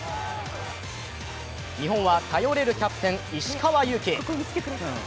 日本は頼れるキャプテン石川祐希。